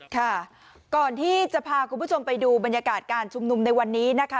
ค่ะก่อนที่จะพาคุณผู้ชมไปดูบรรยากาศการชุมนุมในวันนี้นะคะ